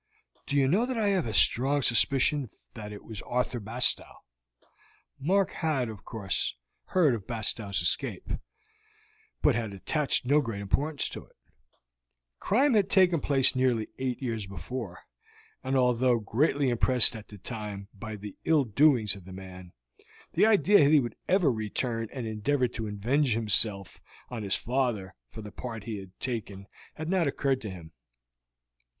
Do you know that I have a strong suspicion that it was Arthur Bastow?" Mark had, of course, heard of Bastow's escape, but had attached no great importance to it. The crime had taken place nearly eight years before, and although greatly impressed at the time by the ill doings of the man, the idea that he would ever return and endeavor to avenge himself on his father for the part he had taken had not occurred to him.